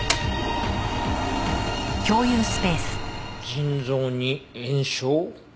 腎臓に炎症？